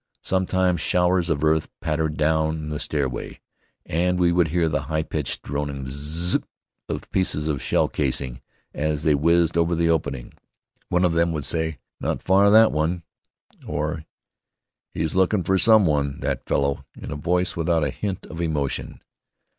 Sometimes showers of earth pattered down the stairway, and we would hear the high pitched, droning V z z z of pieces of shell casing as they whizzed over the opening. One of them would say, "Not far, that one"; or, "He's looking for some one, that fellow," in a voice without a hint of emotion.